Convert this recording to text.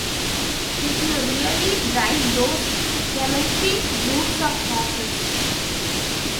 Did you really drive those galloping brutes of horses?